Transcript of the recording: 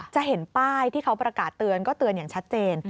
จะเห็นป้ายที่เขาประกาศเตือนก็เตือนอย่างชัดเจน